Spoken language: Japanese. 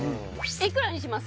いくらにします？